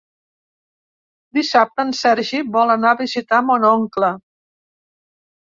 Dissabte en Sergi vol anar a visitar mon oncle.